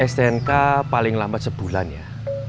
stnk paling lambat sebulan ya